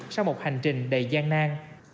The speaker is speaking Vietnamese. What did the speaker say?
sau một hành trình đầy gian nan